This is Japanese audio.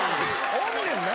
おんねんな。